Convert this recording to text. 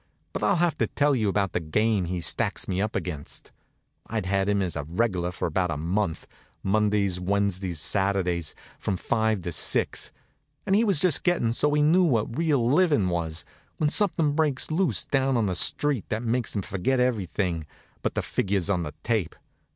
But I'll have to tell you about the game he stacks me up against. I'd had him as a reg'lar for about a month Mondays, Wednesdays and Saturdays, from five to six and he was just gettin' so he knew what real livin' was, when somethin' breaks loose down on the street that makes him forget everything but the figures on the tape.